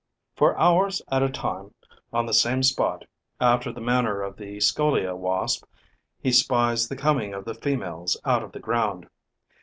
For hours at a time, on the same spot, after the manner of the Scolia wasp he spies the coming of the females out of the ground.